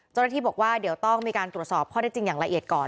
เจ้าหน้าที่บอกว่าเดี๋ยวต้องมีการตรวจสอบข้อได้จริงอย่างละเอียดก่อน